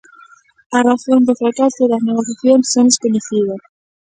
As razóns do fracaso das negociacións son descoñecidas.